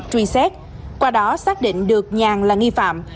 truy xét qua đó xác định được nhàn là nghi phạm